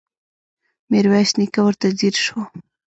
ميرويس نيکه ورته ځير شو.